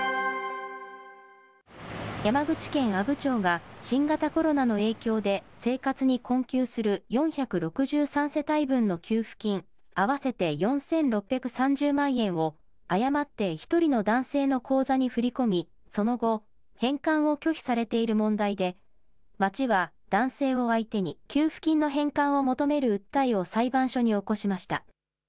山口県阿武町が新型コロナの影響で生活に困窮する４６３世帯分の給付金、合わせて４６３０万円を誤って１人の男性の口座に振り込み、その後、返還を拒否されている問題で、町は、男性を相手に給付金の返還を求める訴えを裁判所に起こしました。